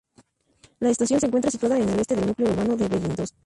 La estación se encuentra situada en el este del núcleo urbano de Bellinzona.